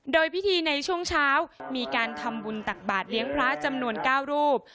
โดยพิธีในช่วงเช้ามีการทำบุญตักบาทเลี้ยงพระจำนวน๙รูป